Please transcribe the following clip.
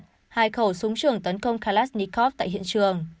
hai khẩu súng trường tấn công kalashnikov tại hiện trường